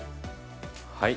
◆はい。